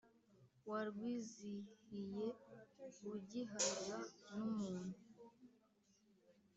warwizihiye ugihabwa nu muntu